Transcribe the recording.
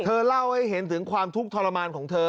เล่าให้เห็นถึงความทุกข์ทรมานของเธอ